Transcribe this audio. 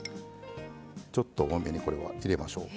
ちょっと多めにこれは入れましょう。